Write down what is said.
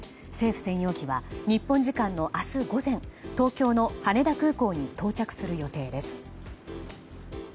政府専用機は日本時間の明日午前東京の羽田空港に到着する予定です。